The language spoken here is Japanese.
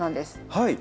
はい！